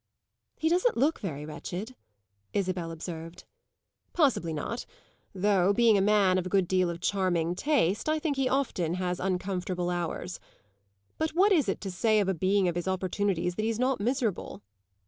"He doesn't look very wretched," Isabel observed. "Possibly not; though, being a man of a good deal of charming taste, I think he often has uncomfortable hours. But what is it to say of a being of his opportunities that he's not miserable?